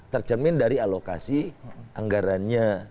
tercermin dari alokasi anggarannya